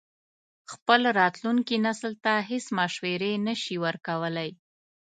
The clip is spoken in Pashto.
خپل راتلونکي نسل ته هېڅ مشورې نه شي ورکولای.